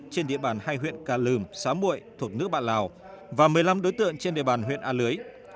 trên địa bàn hai huyện cà lườm xá mội thuộc nước bạc lào và một mươi năm đối tượng trên địa bàn huyện a lưới